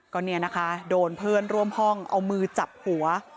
ก็เนี่ยนะคะโดนเพื่อนร่วมห้องเอามือจับหัว